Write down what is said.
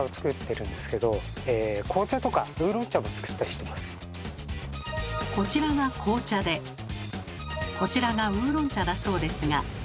うちはもうこちらが紅茶でこちらがウーロン茶だそうですが。